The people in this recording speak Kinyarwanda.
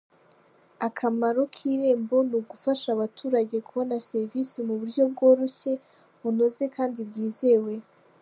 Akamaro k’Irembo ni ugufasha abaturage kubona serivisi mu buryo bworoshye, bunoze kandi bwizewe.